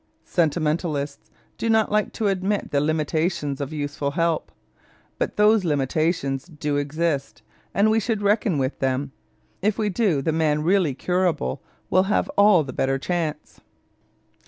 Sentimentalists do not like to admit the limitations of useful help, but those limitations do exist, and we should reckon with them. If we do, the man really curable will have all the better chance.